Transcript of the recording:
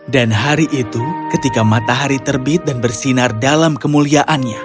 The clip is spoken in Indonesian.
dan hari itu ketika matahari terbit dan bersinar dalam kemuliaannya